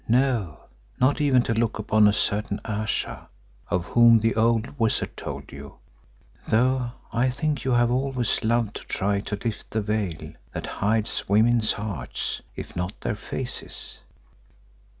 No, not even to look upon a certain Ayesha, of whom the old wizard told you, though I think you have always loved to try to lift the veil that hides women's hearts, if not their faces.